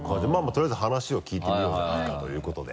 取りあえず話を聞いてみようじゃないかということで。